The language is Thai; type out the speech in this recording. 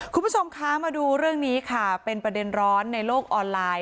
คุณผู้ชมคะมาดูเรื่องนี้ค่ะเป็นประเด็นร้อนในโลกออนไลน์